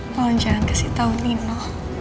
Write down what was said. mohon jangan kasih tahu nino